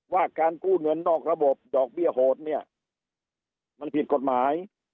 ว่าการกู้เงินนอกระบบดอกเบี้ยโหดเนี่ยมันผิดกฎหมาย